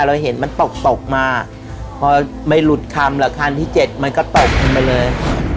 เราเห็นมันตกตกมาพอไม่หลุดคำแล้วคันที่เจ็ดมันก็ตกลงไปเลย